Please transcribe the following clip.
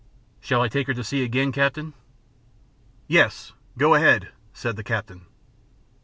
Shall I take her to sea again, captain?" "Yes! Go ahead!" said the captain.